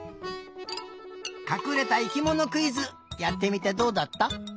かくれた生きものクイズやってみてどうだった？